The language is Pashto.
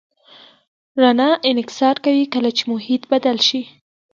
رڼا انکسار کوي کله چې محیط بدل شي.